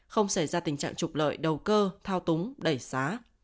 không xảy ra tình trạng trục lợi đầu cơ thao túng đẩy giá